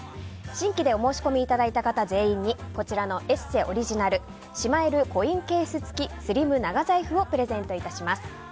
新規でお申し込みいただいた方全員にこちらの「ＥＳＳＥ」オリジナルしまえるコインケース付きスリム長財布をプレゼント致します。